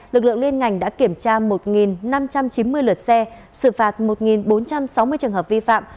lực lượng liên ngành đã kiểm tra một năm trăm chín mươi lượt xe xử phạt một bốn trăm sáu mươi trường hợp vi phạm